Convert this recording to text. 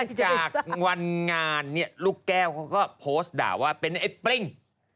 จากวันงานเนี่ยลูกแก้วเขาก็โพสต์ด่าว่าเป็นไอ้ปริ้ง